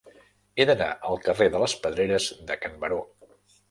He d'anar al carrer de les Pedreres de Can Baró